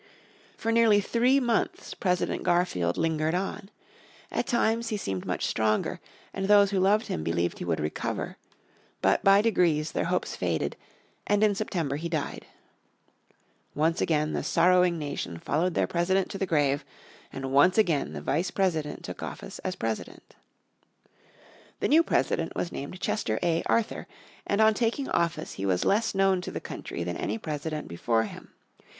For nearly three months President Garfield lingered on. At times he seemed much stronger, and those who loved him believed he would recover. But by degrees their hopes faded, and in September he died. Once again the sorrowing nation followed their President to the grave, and once again the Vice President took office as President. The new President was named Chester A. Arthur, and on taking office he was less known to the country than any President before him.